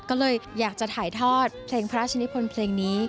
ก็เลยอยากจะถ่ายทอดเพลงพระราชนิพลเพลงนี้